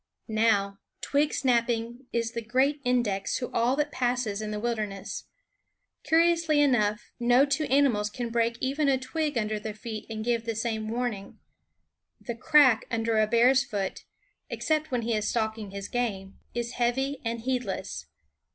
Now, twig snapping is the great index to all that passes in the wilderness. Curiously enough, no two animals can break even a twig under their feet and give the same warning. The crack under a bear's foot, except when he is stalking his game, is heavy and heedless.